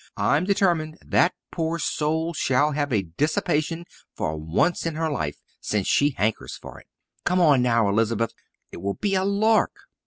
I'm determined that poor soul shall have a dissipation for once in her life since she hankers for it. Come on now, Elizabeth. It will be a lark."